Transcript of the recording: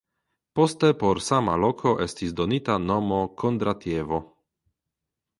Poste por sama loko estis donita nomo Kondratjevo.